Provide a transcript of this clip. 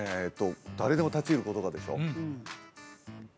「誰でも立ち入ることが」でしょ？